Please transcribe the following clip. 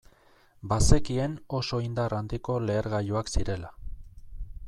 Bazekien oso indar handiko lehergailuak zirela.